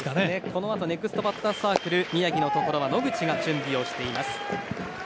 このあとネクストバッターズサークル宮城のところは野口が準備をしています。